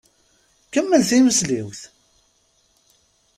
Kemmel timesliwt!